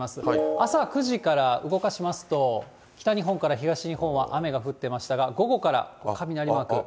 朝９時から動かしますと、北日本から東日本は雨が降ってましたが、午後からは雷マーク。